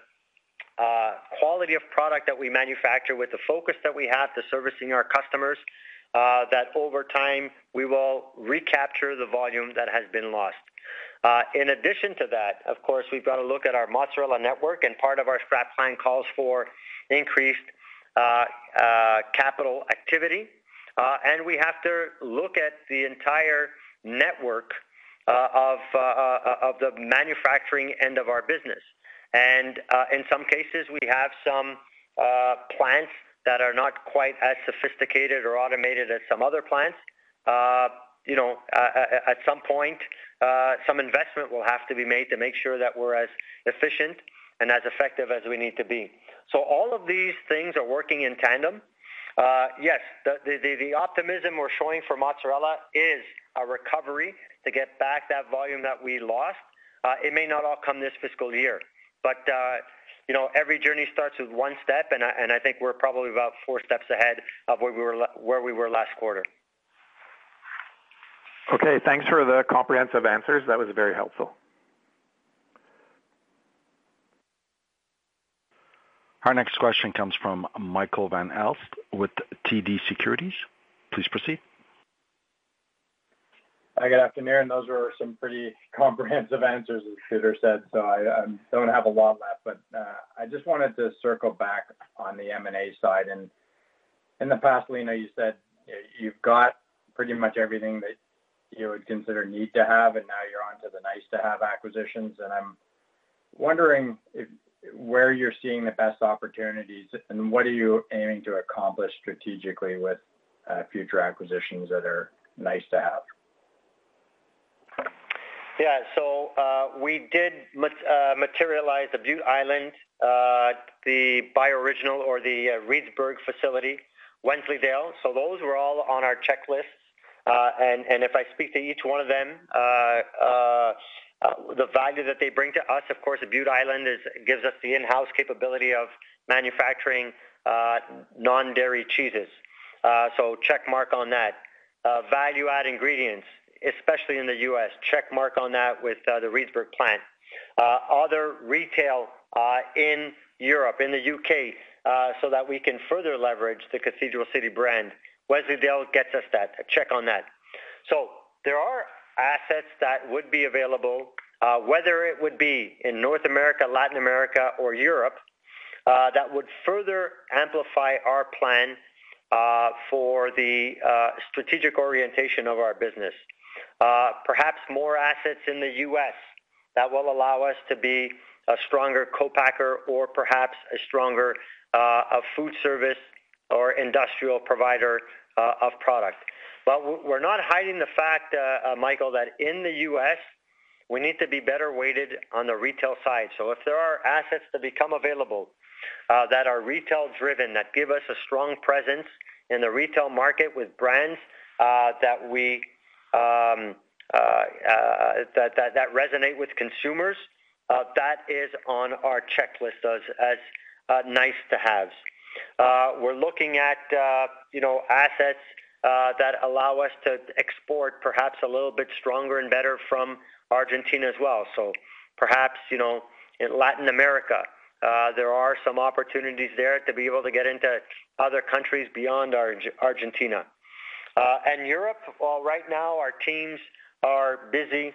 quality of product that we manufacture, with the focus that we have to servicing our customers, that over time, we will recapture the volume that has been lost. In addition to that, of course, we've got to look at our mozzarella network, and part of our strategic plan calls for increased capital activity. We have to look at the entire network of the manufacturing end of our business. In some cases, we have some plants that are not quite as sophisticated or automated as some other plants. At some point, some investment will have to be made to make sure that we're as efficient and as effective as we need to be. All of these things are working in tandem. Yes, the optimism we're showing for mozzarella is a recovery to get back that volume that we lost. It may not all come this fiscal year, but every journey starts with one step, and I think we're probably about four steps ahead of where we were last quarter. Okay, thanks for the comprehensive answers. That was very helpful. Our next question comes from Michael Van Aelst with TD Securities. Please proceed. Hi, good afternoon. Those were some pretty comprehensive answers, as Peter said, so I don't have a lot left. I just wanted to circle back on the M&A side. In the past, Lino, you said you've got pretty much everything that you would consider need to have, and now you're onto the nice to have acquisitions, and I'm wondering where you're seeing the best opportunities and what are you aiming to accomplish strategically with future acquisitions that are nice to have? Yeah. We did materialize the Bute Island, the Bioriginal or the Reedsburg facility, Wensleydale. Those were all on our checklist. If I speak to each one of them, the value that they bring to us, of course, the Bute Island gives us the in-house capability of manufacturing non-dairy cheeses. Check mark on that. Value-add ingredients, especially in the U.S., check mark on that with the Reedsburg plant. Other retail in Europe, in the U.K., so that we can further leverage the Cathedral City brand. Wensleydale gets us that, a check on that. There are assets that would be available, whether it would be in North America, Latin America, or Europe, that would further amplify our plan for the strategic orientation of our business. Perhaps more assets in the U.S. that will allow us to be a stronger co-packer or perhaps a stronger food service or industrial provider of product. We're not hiding the fact, Michael, that in the U.S., we need to be better weighted on the retail side. If there are assets that become available that are retail driven, that give us a strong presence in the retail market with brands that resonate with consumers, that is on our checklist as nice to haves. We're looking at assets that allow us to export perhaps a little bit stronger and better from Argentina as well. Perhaps, in Latin America, there are some opportunities there to be able to get into other countries beyond Argentina. Europe, well, right now our teams are busy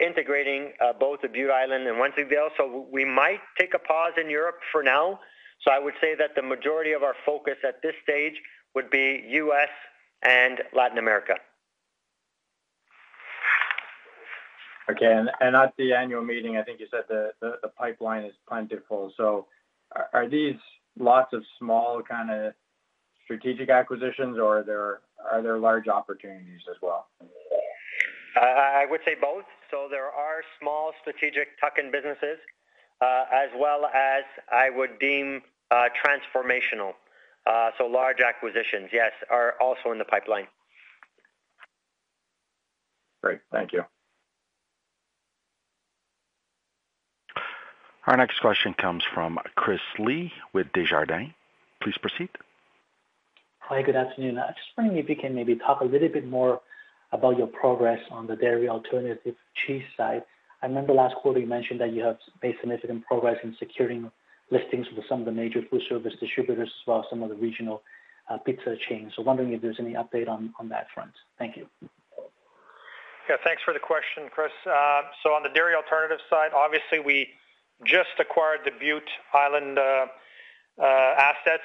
integrating both the Bute Island and Wensleydale, so we might take a pause in Europe for now. I would say that the majority of our focus at this stage would be U.S. and Latin America. Okay. At the annual meeting, I think you said the pipeline is plentiful. Are these lots of small kind of strategic acquisitions or are there large opportunities as well? I would say both. There are small strategic tuck-in businesses, as well as I would deem transformational. Large acquisitions, yes, are also in the pipeline. Great. Thank you. Our next question comes from Chris Li with Desjardins. Please proceed. Hi, good afternoon. I was just wondering if you can maybe talk a little bit more about your progress on the dairy alternative cheese side. I remember last quarter you mentioned that you have made significant progress in securing listings with some of the major food service distributors as well as some of the regional pizza chains. Wondering if there's any update on that front. Thank you. Thanks for the question, Chris. On the dairy alternative side, obviously we just acquired the Bute Island assets.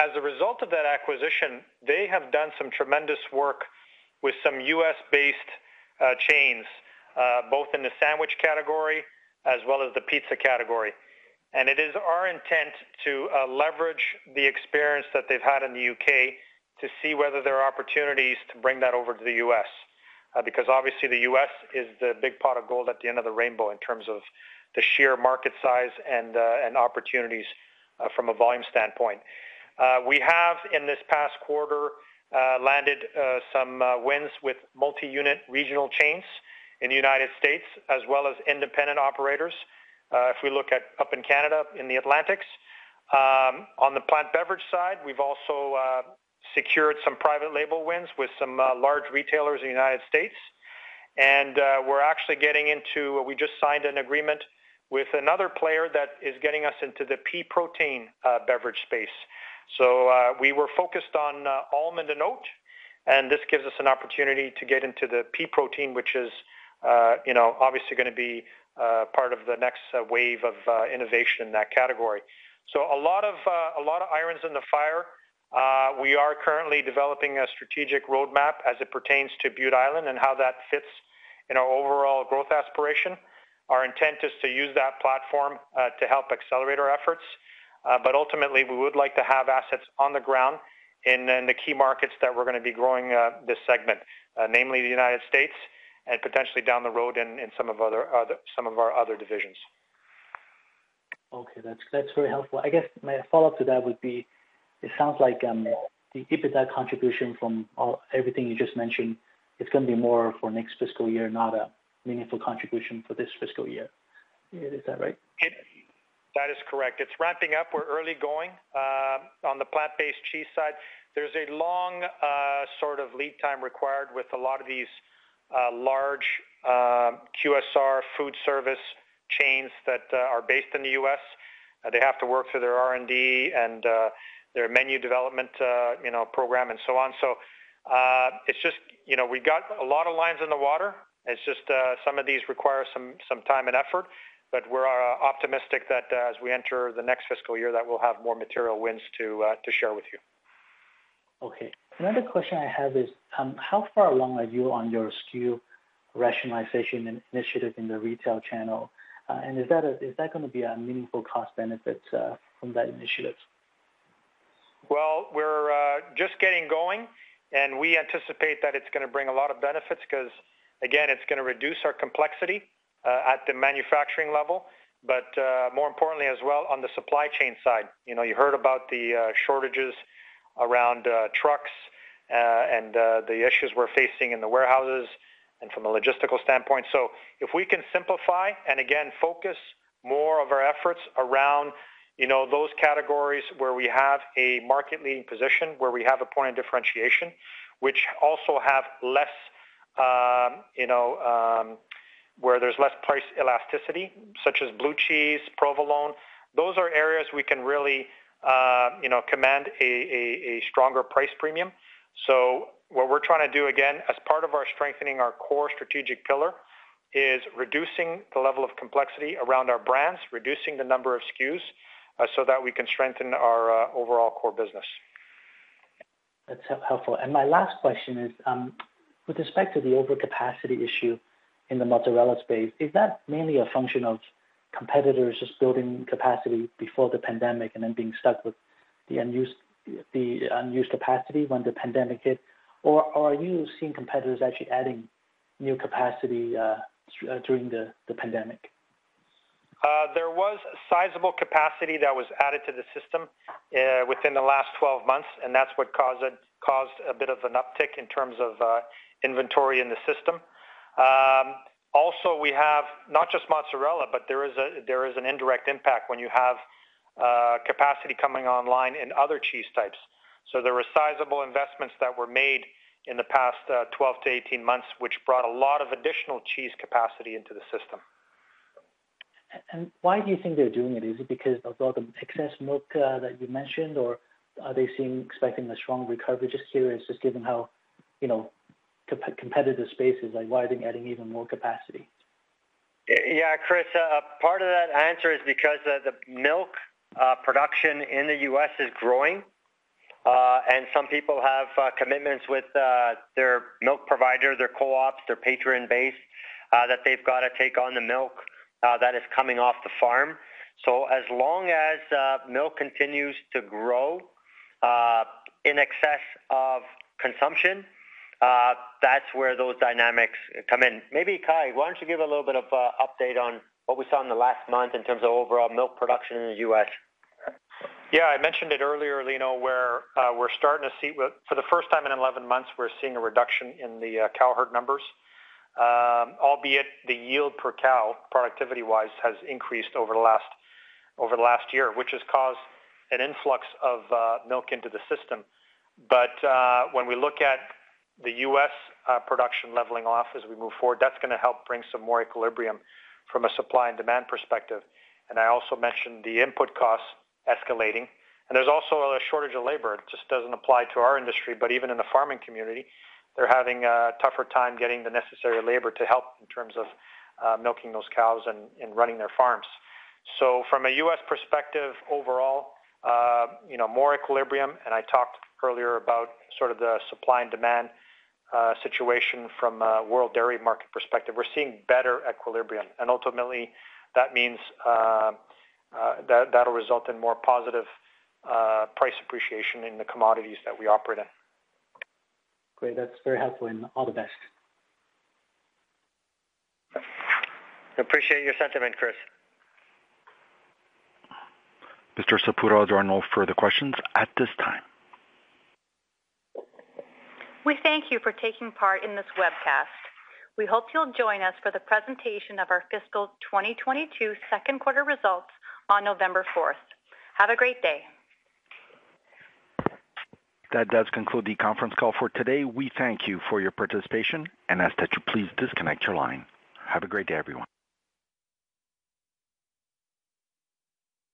As a result of that acquisition, they have done some tremendous work with some U.S.-based chains, both in the sandwich category as well as the pizza category. It is our intent to leverage the experience that they've had in the U.K. to see whether there are opportunities to bring that over to the U.S., because obviously the U.S. is the big pot of gold at the end of the rainbow in terms of the sheer market size and opportunities from a volume standpoint. We have, in this past quarter, landed some wins with multi-unit regional chains in the United States as well as independent operators, if we look up in Canada in the Atlantic. On the plant beverage side, we've also secured some private label wins with some large retailers in the U.S. We just signed an agreement with another player that is getting us into the pea protein beverage space. We were focused on almond and oat. This gives us an opportunity to get into the pea protein, which is obviously going to be part of the next wave of innovation in that category. A lot of irons in the fire. We are currently developing a strategic roadmap as it pertains to Bute Island and how that fits in our overall growth aspiration. Our intent is to use that platform to help accelerate our efforts. Ultimately, we would like to have assets on the ground in the key markets that we're going to be growing this segment, namely the United States, and potentially down the road in some of our other divisions. Okay. That's very helpful. I guess my follow-up to that would be, it sounds like the EBITDA contribution from everything you just mentioned, it's going to be more for next fiscal year, not a meaningful contribution for this fiscal year. Is that right? That is correct. It's ramping up. We're early going. On the plant-based cheese side, there's a long sort of lead time required with a lot of these large QSR food service chains that are based in the U.S. They have to work through their R&D and their menu development program and so on. We got a lot of lines in the water. It's just some of these require some time and effort, but we're optimistic that as we enter the next fiscal year, that we'll have more material wins to share with you. Okay. Another question I have is, how far along are you on your SKU rationalization initiative in the retail channel? Is that going to be a meaningful cost benefit from that initiative? Well, we're just getting going, we anticipate that it's going to bring a lot of benefits because, again, it's going to reduce our complexity at the manufacturing level, more importantly as well, on the supply chain side. You heard about the shortages around trucks, and the issues we're facing in the warehouses and from a logistical standpoint. If we can simplify and again, focus more of our efforts around those categories where we have a market-leading position, where we have a point of differentiation, which also where there's less price elasticity, such as blue cheese, provolone. Those are areas we can really command a stronger price premium. What we're trying to do, again, as part of our strengthening our core strategic pillar, is reducing the level of complexity around our brands, reducing the number of SKUs so that we can strengthen our overall core business. That's helpful. My last question is, with respect to the overcapacity issue in the mozzarella space, is that mainly a function of competitors just building capacity before the pandemic and then being stuck with the unused capacity when the pandemic hit? Or are you seeing competitors actually adding new capacity during the pandemic? There was sizable capacity that was added to the system within the last 12 months. That's what caused a bit of an uptick in terms of inventory in the system. Also, we have not just mozzarella, but there is an indirect impact when you have capacity coming online in other cheese types. There were sizable investments that were made in the past 12 to 18 months, which brought a lot of additional cheese capacity into the system. Why do you think they're doing it? Is it because of all the excess milk that you mentioned, or are they expecting a strong recovery just here? It's just given how competitive space is, why are they adding even more capacity? Yeah, Chris Li, part of that answer is because the milk production in the U.S. is growing, and some people have commitments with their milk provider, their co-ops, their patron base, that they've got to take on the milk that is coming off the farm. As long as milk continues to grow in excess of consumption, that's where those dynamics come in. Maybe, Kai, why don't you give a little bit of update on what we saw in the last month in terms of overall milk production in the U.S.? Yeah, I mentioned it earlier, where for the first time in 11 months, we're seeing a reduction in the cow herd numbers. Albeit the yield per cow, productivity-wise, has increased over the last year, which has caused an influx of milk into the system. When we look at the U.S. production leveling off as we move forward, that's going to help bring some more equilibrium from a supply and demand perspective. I also mentioned the input costs escalating, and there's also a shortage of labor. It just doesn't apply to our industry, but even in the farming community, they're having a tougher time getting the necessary labor to help in terms of milking those cows and running their farms. From a U.S. perspective overall, more equilibrium, and I talked earlier about the supply and demand situation from a world dairy market perspective. We're seeing better equilibrium, and ultimately that means that'll result in more positive price appreciation in the commodities that we operate in. Great. That's very helpful, and all the best. Appreciate your sentiment, Chris. Mr. Saputo, there are no further questions at this time. We thank you for taking part in this webcast. We hope you'll join us for the presentation of our fiscal 2022 second quarter results on November 4th. Have a great day. That does conclude the conference call for today. We thank you for your participation and ask that you please disconnect your line. Have a great day, everyone.